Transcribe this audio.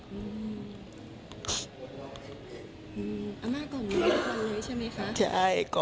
อืมอรรม่ากรมชกมาเลยใช่ไหมคะ